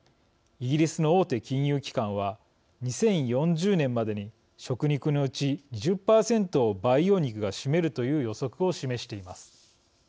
イギリスの大手金融機関は２０４０年までに食肉のうち２０％を培養肉が占めるという予測を示しています。